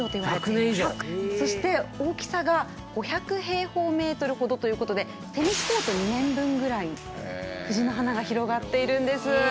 そして大きさが５００平方メートルほどということでぐらい藤の花が広がっているんです。